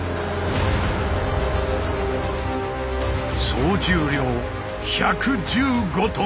総重量１１５ｔ。